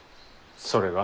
それが？